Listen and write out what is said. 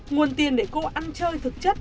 nguồn tiền để cô ăn chơi thực chất